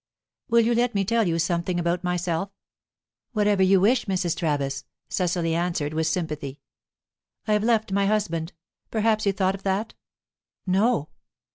"Will you let me tell you something about myself?" "Whatever you wish, Mrs. Travis," Cecily answered, with sympathy. "I've left my husband. Perhaps you thought of that?" "No."